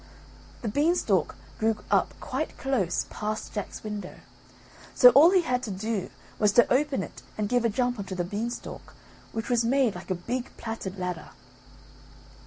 The beanstalk grew up quite close past Jack's window, so all he had to do was to open it and give a jump on to the beanstalk which was made like a big plaited ladder.